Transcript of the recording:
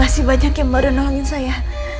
masih banyak yang baru nolongin saya